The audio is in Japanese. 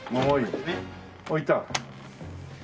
置いた？